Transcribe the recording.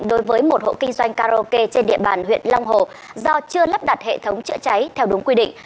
đối với một hộ kinh doanh karaoke trên địa bàn huyện long hồ do chưa lắp đặt hệ thống chữa cháy theo đúng quy định